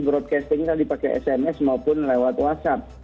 broadcasting tadi pakai sms maupun lewat whatsapp